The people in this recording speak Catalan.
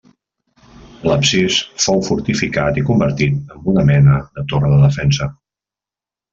L'absis fou fortificat i convertit en una mena de torre de defensa.